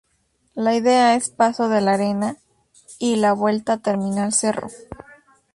La ida es Paso de la Arena y la vuelta Terminal Cerro.